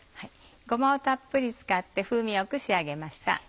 ごまをたっぷり使って風味良く仕上げました。